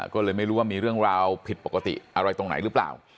ก็เลยไม่รู้ว่ามีเรื่องราวผิดปกติอะไรตรงไหนหรือเปล่า